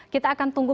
kita akan tunggu